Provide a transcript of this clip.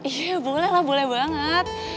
iya boleh lah boleh banget